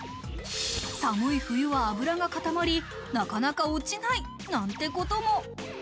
寒い冬は油が固まり、なかなか落ちないなんてことも。